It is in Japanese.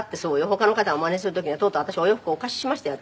他の方がマネする時にはとうとう私お洋服お貸ししましたよ